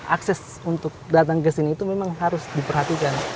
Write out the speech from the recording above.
akses untuk datang ke sini itu memang harus diperhatikan